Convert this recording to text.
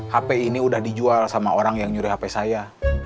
hp ini udah dijual sama orang yang nyuri hp saya